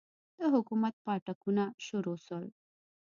د حکومت پاټکونه شروع سول.